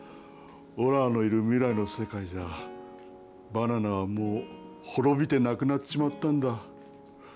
オラのいる未来の世界じゃバナナはもう滅びてなくなっちまったんだ。